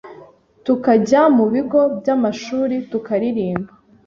tukajya mu bigo by’amashuri tukaririmba